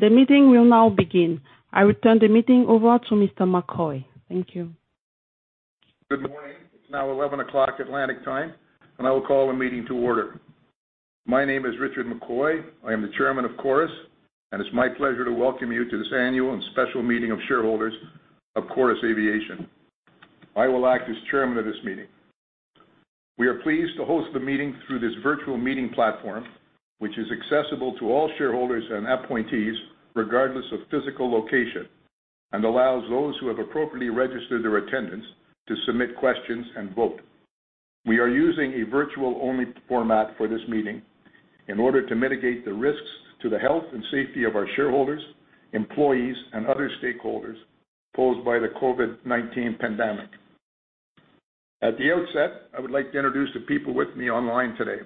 The meeting will now begin. I will turn the meeting over to Mr. McCoy. Thank you. Good morning. It's now 11:00 A.M. Atlantic Time, and I will call the meeting to order. My name is Richard McCoy. I am the Chairman of Chorus, and it's my pleasure to welcome you to this annual and special meeting of shareholders of Chorus Aviation. I will act as Chairman of this meeting. We are pleased to host the meeting through this virtual meeting platform, which is accessible to all shareholders and appointees, regardless of physical location, and allows those who have appropriately registered their attendance to submit questions and vote. We are using a virtual-only format for this meeting in order to mitigate the risks to the health and safety of our shareholders, employees, and other stakeholders posed by the COVID-19 pandemic. At the outset, I would like to introduce the people with me online today: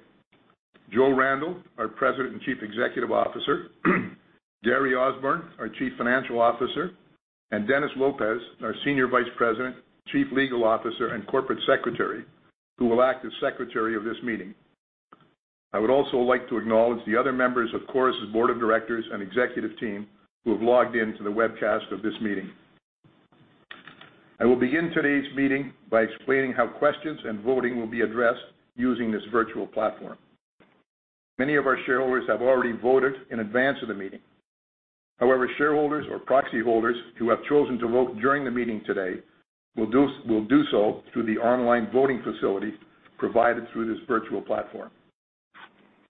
Joseph D. Randell, our President and Chief Executive Officer; Gary Osborne, our Chief Financial Officer; and Dennis Lopes, our Senior Vice President, Chief Legal Officer, and Corporate Secretary, who will act as Secretary of this meeting. I would also like to acknowledge the other members of Chorus' Board of Directors and Executive Team who have logged into the webcast of this meeting. I will begin today's meeting by explaining how questions and voting will be addressed using this virtual platform. Many of our shareholders have already voted in advance of the meeting. However, shareholders or proxy holders who have chosen to vote during the meeting today will do so through the online voting facility provided through this virtual platform.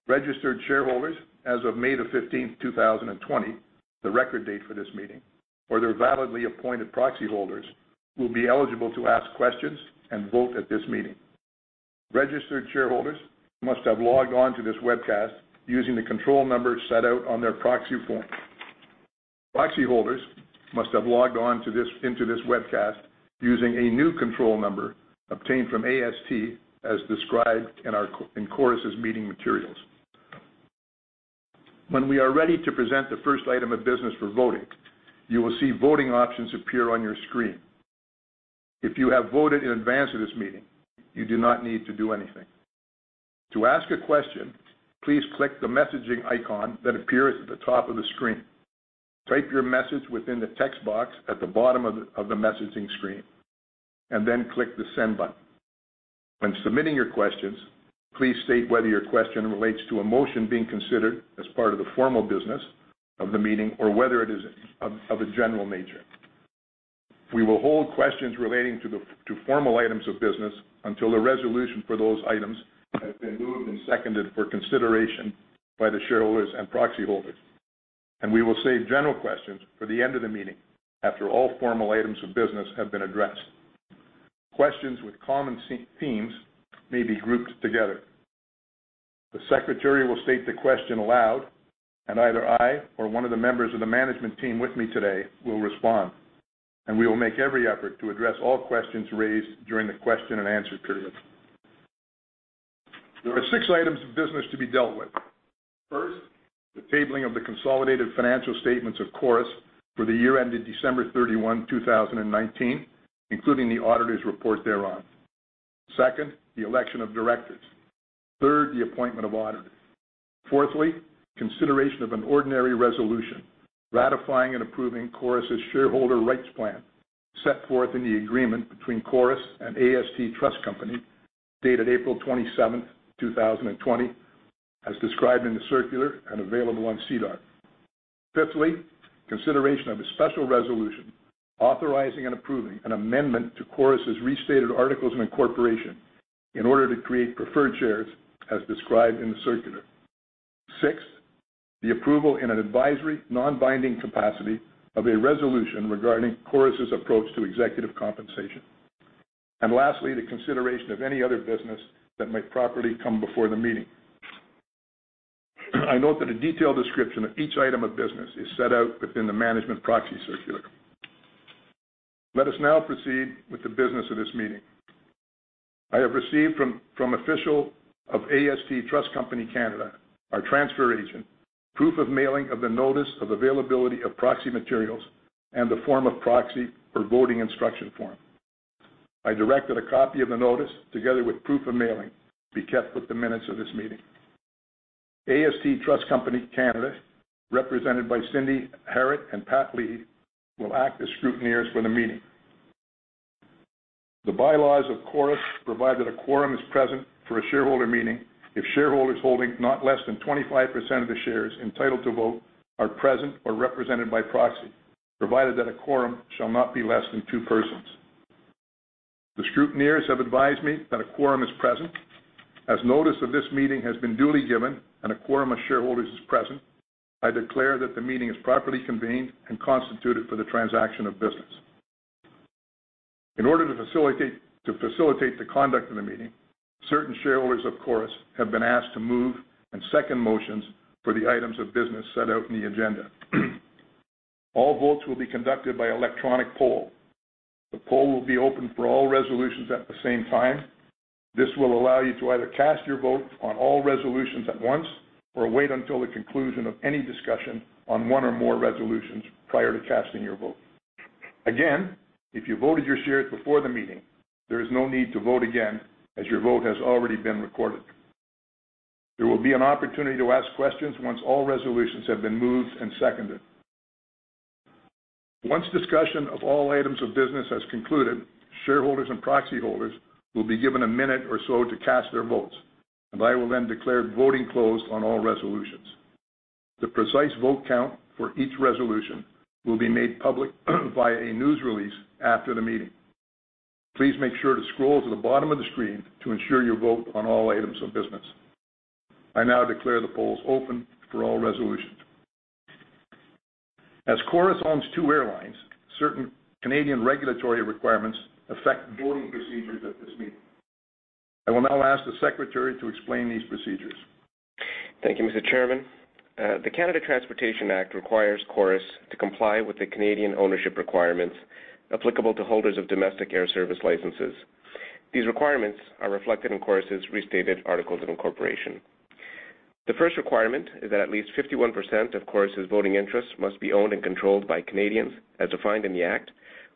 Registered shareholders, as of May the 15th, 2020, the record date for this meeting, or their validly appointed proxy holders, will be eligible to ask questions and vote at this meeting. Registered shareholders must have logged on to this webcast using the control number set out on their proxy form. Proxy holders must have logged on to this webcast using a new control number obtained from AST, as described in Chorus' meeting materials. When we are ready to present the first item of business for voting, you will see voting options appear on your screen. If you have voted in advance of this meeting, you do not need to do anything. To ask a question, please click the messaging icon that appears at the top of the screen. Type your message within the text box at the bottom of the messaging screen, and then click the send button. When submitting your questions, please state whether your question relates to a motion being considered as part of the formal business of the meeting or whether it is of a general nature. We will hold questions relating to formal items of business until a resolution for those items has been moved and seconded for consideration by the shareholders and proxy holders, and we will save general questions for the end of the meeting after all formal items of business have been addressed. Questions with common themes may be grouped together. The Secretary will state the question aloud, and either I or one of the members of the management team with me today will respond, and we will make every effort to address all questions raised during the question and answer period. There are six items of business to be dealt with. First, the tabling of the consolidated financial statements of Chorus for the year ended December 31, 2019, including the auditor's report thereon. Second, the election of directors. Third, the appointment of auditors. Fourthly, consideration of an ordinary resolution ratifying and approving Chorus' shareholder rights plan set forth in the agreement between Chorus and AST Trust Company dated April 27th, 2020, as described in the circular and available on SEDAR. Fifthly, consideration of a special resolution authorizing and approving an amendment to Chorus' restated articles of incorporation in order to create preferred shares as described in the circular. Sixth, the approval in an advisory, non-binding capacity of a resolution regarding Chorus' approach to executive compensation. And lastly, the consideration of any other business that might properly come before the meeting. I note that a detailed description of each item of business is set out within the management proxy circular. Let us now proceed with the business of this meeting. I have received from the officials of AST Trust Company (Canada), our transfer agent, proof of mailing of the notice of availability of proxy materials and the form of proxy or voting instruction form. I directed a copy of the notice together with proof of mailing to be kept with the minutes of this meeting. AST Trust Company (Canada), represented by Cindy Harrett and Pat Lee, will act as scrutineers for the meeting. The bylaws of Chorus provide that a quorum is present for a shareholder meeting if shareholders holding not less than 25% of the shares entitled to vote are present or represented by proxy, provided that a quorum shall not be less than two persons. The scrutineers have advised me that a quorum is present. As notice of this meeting has been duly given and a quorum of shareholders is present, I declare that the meeting is properly convened and constituted for the transaction of business. In order to facilitate the conduct of the meeting, certain shareholders of Chorus have been asked to move and second motions for the items of business set out in the agenda. All votes will be conducted by electronic poll. The poll will be open for all resolutions at the same time. This will allow you to either cast your vote on all resolutions at once or wait until the conclusion of any discussion on one or more resolutions prior to casting your vote. Again, if you voted your shares before the meeting, there is no need to vote again as your vote has already been recorded. There will be an opportunity to ask questions once all resolutions have been moved and seconded. Once discussion of all items of business has concluded, shareholders and proxy holders will be given a minute or so to cast their votes, and I will then declare voting closed on all resolutions. The precise vote count for each resolution will be made public via a news release after the meeting. Please make sure to scroll to the bottom of the screen to ensure you vote on all items of business. I now declare the polls open for all resolutions. As Chorus owns two airlines, certain Canadian regulatory requirements affect voting procedures at this meeting. I will now ask the Secretary to explain these procedures. Thank you, Mr. Chairman. The Canada Transportation Act requires Chorus to comply with the Canadian ownership requirements applicable to holders of domestic air service licenses. These requirements are reflected in Chorus' restated articles of incorporation. The first requirement is that at least 51% of Chorus' voting interests must be owned and controlled by Canadians, as defined in the Act,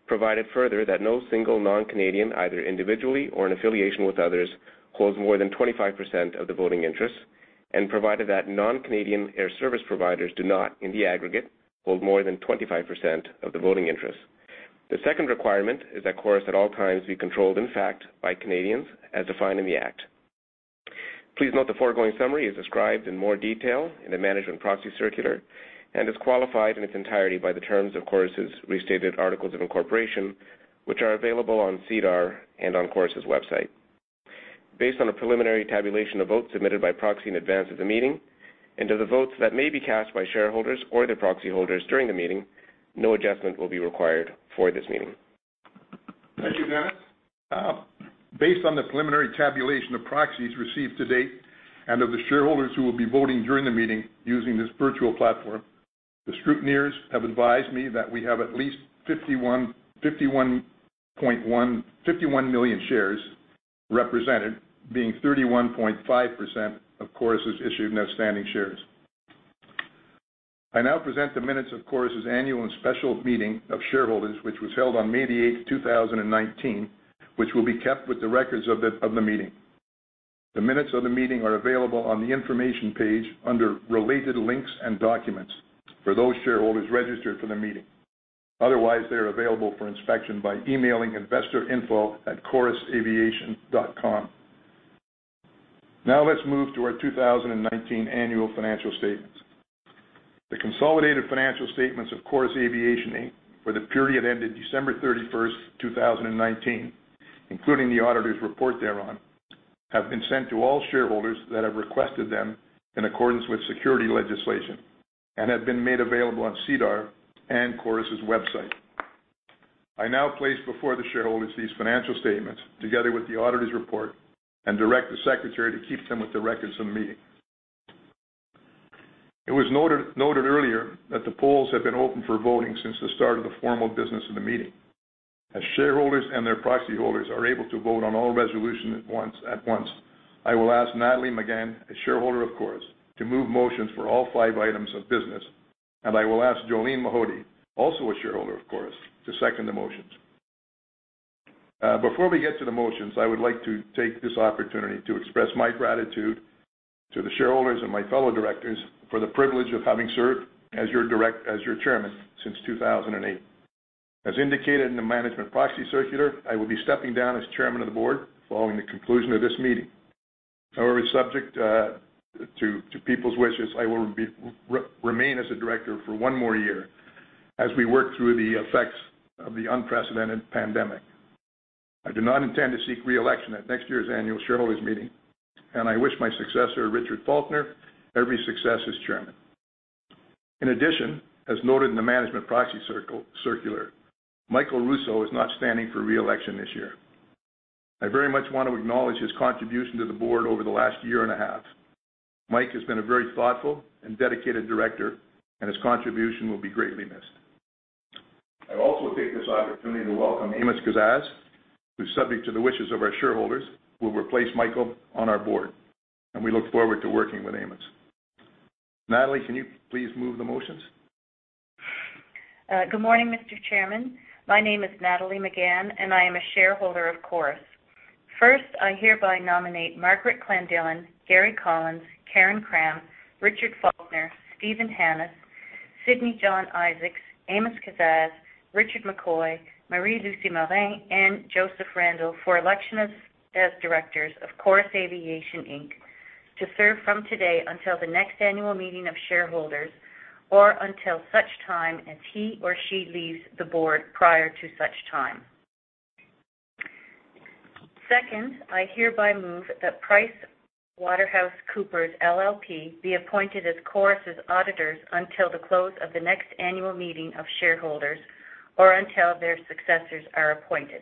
provided further that no single non-Canadian, either individually or in affiliation with others, holds more than 25% of the voting interests, and provided that non-Canadian air service providers do not, in the aggregate, hold more than 25% of the voting interests. The second requirement is that Chorus at all times be controlled, in fact, by Canadians, as defined in the Act. Please note the foregoing summary is described in more detail in the management proxy circular and is qualified in its entirety by the terms of Chorus' restated articles of incorporation, which are available on SEDAR and on Chorus' website. Based on a preliminary tabulation of votes submitted by proxy in advance of the meeting and to the votes that may be cast by shareholders or their proxy holders during the meeting, no adjustment will be required for this meeting. Thank you, Dennis. Based on the preliminary tabulation of proxies received to date and of the shareholders who will be voting during the meeting using this virtual platform, the scrutineers have advised me that we have at least 51.1 million shares represented, being 31.5% of Chorus' issued and outstanding shares. I now present the minutes of Chorus' annual and special meeting of shareholders, which was held on May the 8th, 2019, which will be kept with the records of the meeting. The minutes of the meeting are available on the information page under related links and documents for those shareholders registered for the meeting. Otherwise, they are available for inspection by emailing investorinfo@chorusaviation.com. Now let's move to our 2019 annual financial statements. The consolidated financial statements of Chorus Aviation for the period ended December 31st, 2019, including the auditor's report thereon, have been sent to all shareholders that have requested them in accordance with securities legislation and have been made available on SEDAR and Chorus' website. I now place before the shareholders these financial statements together with the auditor's report and direct the Secretary to keep them with the records of the meeting. It was noted earlier that the polls have been open for voting since the start of the formal business of the meeting. As shareholders and their proxy holders are able to vote on all resolutions at once, I will ask Nathalie Megann, a shareholder of Chorus, to move motions for all five items of business, and I will ask Jolene Mahody, also a shareholder of Chorus, to second the motions. Before we get to the motions, I would like to take this opportunity to express my gratitude to the shareholders and my fellow directors for the privilege of having served as your Chairman since 2008. As indicated in the management proxy circular, I will be stepping down as Chairman of the Board following the conclusion of this meeting. However, subject to people's wishes, I will remain as a director for one more year as we work through the effects of the unprecedented pandemic. I do not intend to seek reelection at next year's annual shareholders meeting, and I wish my successor, Richard Falconer, every success as Chairman. In addition, as noted in the management proxy circular, Michael Rousseau is not standing for reelection this year. I very much want to acknowledge his contribution to the Board over the last year and a half. Mike has been a very thoughtful and dedicated director, and his contribution will be greatly missed. I also take this opportunity to welcome Amos Kazzaz, who, subject to the wishes of our shareholders, will replace Michael on our Board, and we look forward to working with Amos. Nathalie, can you please move the motions? Good morning, Mr. Chairman. My name is Nathalie Megann, and I am a shareholder of Chorus. First, I hereby nominate Margaret Clandillon, Gary Collins, Karen Cramm, Richard Falconer, Stephen Hannahs, Sydney John Isaacs, Amos Kazzaz, Richard McCoy, Marie-Lucie Morin, and Joseph Randell for election as directors of Chorus Aviation Inc. to serve from today until the next annual meeting of shareholders or until such time as he or she leaves the Board prior to such time. Second, I hereby move that PricewaterhouseCoopers LLP be appointed as Chorus' auditors until the close of the next annual meeting of shareholders or until their successors are appointed.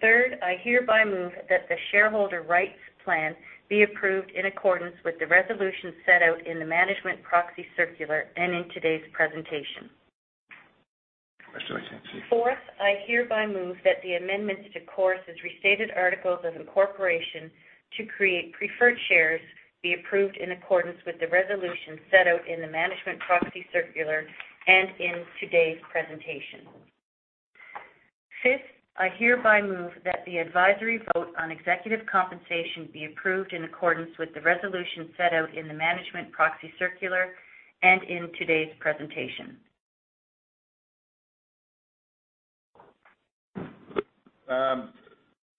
Third, I hereby move that the shareholder rights plan be approved in accordance with the resolution set out in the management proxy circular and in today's presentation. Fourth, I hereby move that the amendments to Chorus' restated articles of incorporation to create preferred shares be approved in accordance with the resolution set out in the management proxy circular and in today's presentation. Fifth, I hereby move that the advisory vote on executive compensation be approved in accordance with the resolution set out in the management proxy circular and in today's presentation.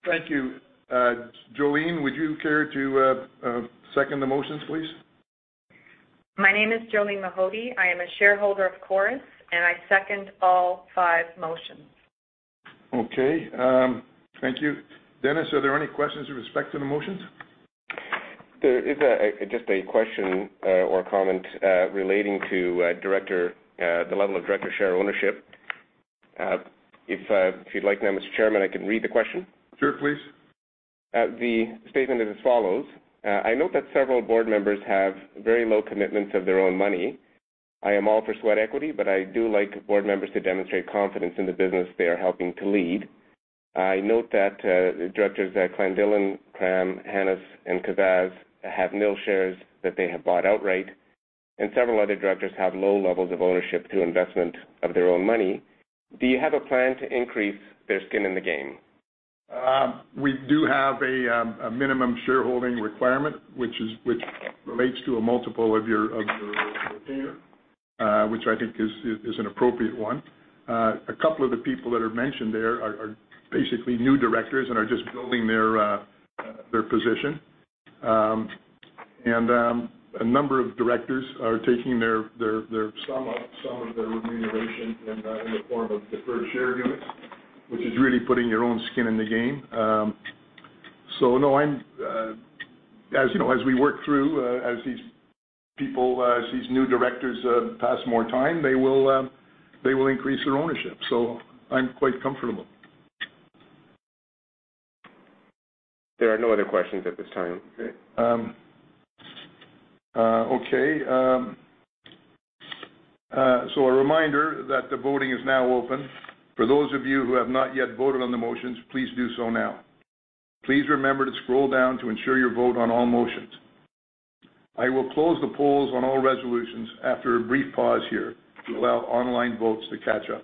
Thank you. Jolene, would you care to second the motions, please? My name is Jolene Mahody. I am a shareholder of Chorus, and I second all five motions. Okay. Thank you. Dennis, are there any questions with respect to the motions? There is just a question or comment relating to the level of director share ownership. If you'd like now, Mr. Chairman, I can read the question. Sure, please. The statement is as follows. I note that several board members have very low commitments of their own money. I am all for sweat equity, but I do like board members to demonstrate confidence in the business they are helping to lead. I note that directors Clandillon, Cramm, Hannahs, and Kazzaz have nil shares that they have bought outright, and several other directors have low levels of ownership through investment of their own money. Do you have a plan to increase their skin in the game? We do have a minimum shareholding requirement, which relates to a multiple of your share, which I think is an appropriate one. A couple of the people that are mentioned there are basically new directors and are just building their position. And a number of directors are taking their sum up, some of their remuneration in the form of deferred share units, which is really putting your own skin in the game. So no, as we work through, as these people, as these new directors pass more time, they will increase their ownership. So I'm quite comfortable. There are no other questions at this time. Okay. Okay. So a reminder that the voting is now open. For those of you who have not yet voted on the motions, please do so now. Please remember to scroll down to ensure your vote on all motions. I will close the polls on all resolutions after a brief pause here to allow online votes to catch up.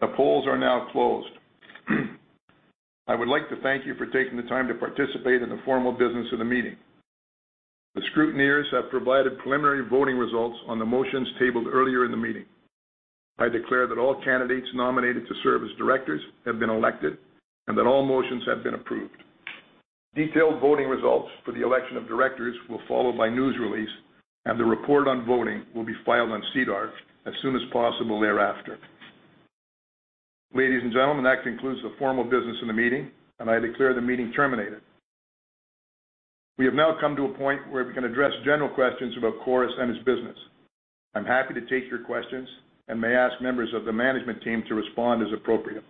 The polls are now closed. I would like to thank you for taking the time to participate in the formal business of the meeting. The scrutineers have provided preliminary voting results on the motions tabled earlier in the meeting. I declare that all candidates nominated to serve as directors have been elected and that all motions have been approved. Detailed voting results for the election of directors will follow by news release, and the report on voting will be filed on SEDAR as soon as possible thereafter. Ladies and gentlemen, that concludes the formal business of the meeting, and I declare the meeting terminated. We have now come to a point where we can address general questions about Chorus and its business. I'm happy to take your questions and may ask members of the management team to respond as appropriate.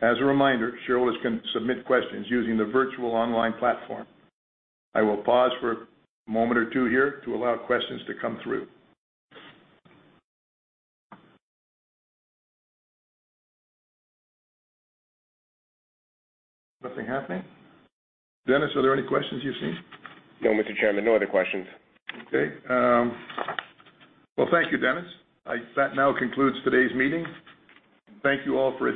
As a reminder, shareholders can submit questions using the virtual online platform. I will pause for a moment or two here to allow questions to come through. Nothing happening? Dennis, are there any questions you've seen? No, Mr. Chairman. No other questions. Okay. Well, thank you, Dennis. That now concludes today's meeting. Thank you all for.